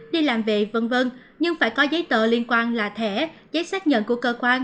đi làm về v v nhưng phải có giấy tờ liên quan là thẻ giấy xác nhận của cơ quan